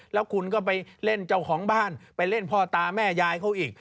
แล้วคุณก็ไปเล่นเจ้าของบ้านไปเล่นพ่อตาแม่ยายเขาอีก